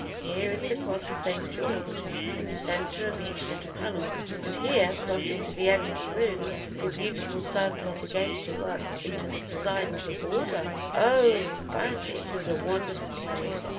here is the Cross of St. George in the centre of each little panel, and here crossing to the edge of the room the beautiful circle of the gaiter worked into the design of the border. Oh, but it is a wonderful place!